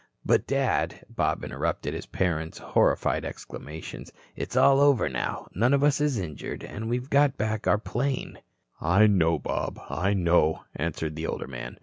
"But, Dad," Bob interrupted his parent's horrified exclamations, "it's all over now. None of us is injured, and we have got back our airplane." "I know, Bob, I know," answered the older man.